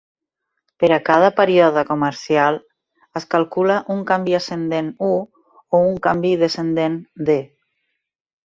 Per a cada període comercial es calcula un canvi ascendent "U" o un canvi descendent "D".